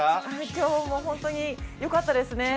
今日も本当によかったですね。